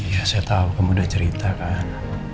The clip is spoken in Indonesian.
iya saya tau kamu udah cerita kan